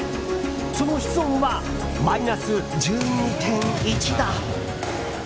その室温はマイナス１２．１度！